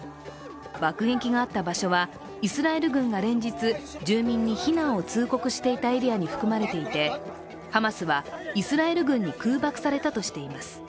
爆撃があった場所はイスラエル軍が連日住民に避難を通告していたエリアに含まれていてハマスはイスラエル軍に空爆されたとしています。